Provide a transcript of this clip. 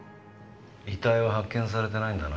遺体は発見されてないんだな？